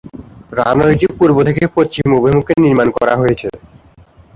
রানওয়েটি পূর্ব থেকে পশ্চিম অভিমুখে নির্মান করা হয়েছে।